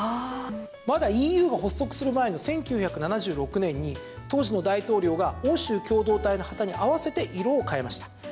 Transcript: まだＥＵが発足する前の１９７６年に当時の大統領が欧州共同体の旗に合わせて色を変えました。